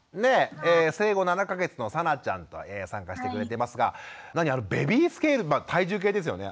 生後７か月のさなちゃんと参加してくれてますが何あのベビースケール体重計ですよね。